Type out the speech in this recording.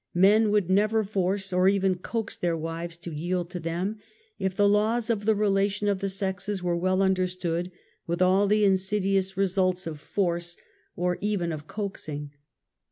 Men would neyer force, or even coax their wives to yield to them if the laws of the relation of the sexes were well understood with all the insidious results of force, or 142 UNMASKED. or even of coaxing.